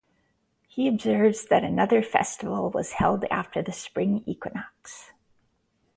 He observes that another festival was held after the spring equinox.